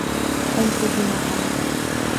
قمت بما عليّ.